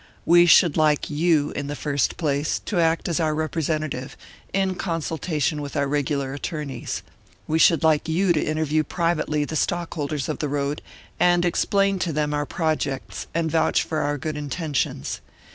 We should like you, in the first place, to act as our representative, in consultation with our regular attorneys. We should like you to interview privately the stockholders of the road, and explain to them our projects, and vouch for our good intentions.